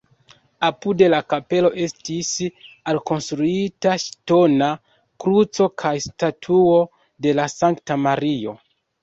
Apud la kapelo estis alkonstruita ŝtona kruco kaj statuo de la sankta Mario.